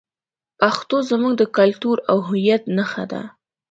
پښتو زموږ د کلتور او هویت نښه ده.